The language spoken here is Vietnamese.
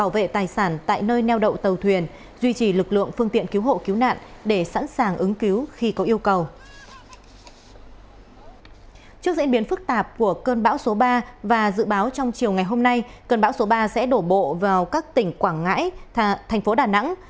và dự báo trong chiều ngày hôm nay cơn bão số ba sẽ đổ bộ vào các tỉnh quảng ngãi thành phố đà nẵng